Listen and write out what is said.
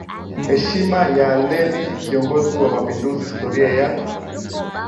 heshima ya Lenin kiongozi wa mapinduzi Historia ya